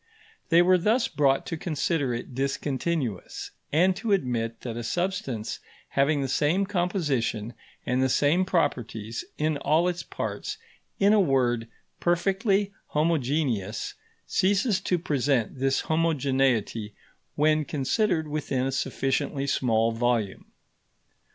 They were thus brought to consider it discontinuous, and to admit that a substance having the same composition and the same properties in all its parts in a word, perfectly homogeneous ceases to present this homogeneity when considered within a sufficiently small volume.